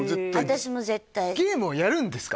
私も絶対ゲームをやるんですか？